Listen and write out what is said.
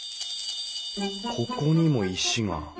ここにも石が。